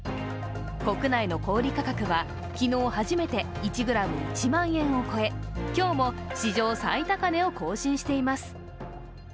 国内の小売価格は、昨日初めて１ｇ１万円を超え今日も史上最高値を更新しています。